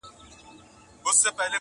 ګیدړ سمدستي پنیر ته ورحمله کړه.!